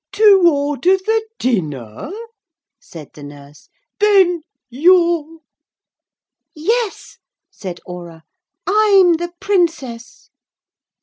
'To order the dinner,' said the nurse. 'Then you're ' 'Yes,' said Aura, 'I'm the Princess.'